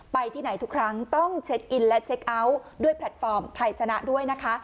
ไปที่ไหนทุกครั้งต้องเช็คอินและเช็คเอาท์ด้วยแพลตฟอร์มไทยชนะด้วยนะคะ